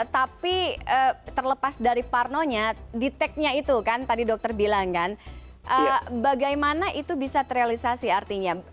tapi terlepas dari parno nya dtec nya itu kan tadi dokter bilang kan bagaimana itu bisa terrealisasi artinya